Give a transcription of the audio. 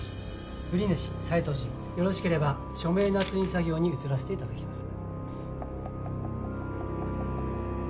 「売り主斎藤順子様」よろしければ署名捺印作業に移らせていただきます。